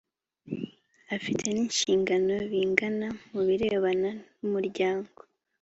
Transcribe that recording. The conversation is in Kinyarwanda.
afite n inshingano bingana mu birebana n umuryango